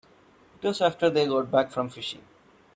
It was after they got back from fishing.